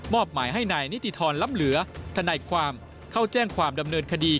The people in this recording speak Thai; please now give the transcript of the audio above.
หมายให้นายนิติธรรมล้ำเหลือทนายความเข้าแจ้งความดำเนินคดี